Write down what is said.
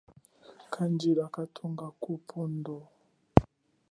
Kajila kanthunga kapundo.